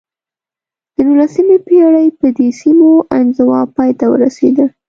د نولسمې پېړۍ په دې سیمو انزوا پای ته ورسېده.